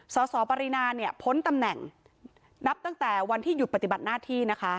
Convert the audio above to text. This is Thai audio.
สสปรินาเนี่ยพ้นตำแหน่งนับตั้งแต่วันที่หยุดปฏิบัติหน้าที่นะคะ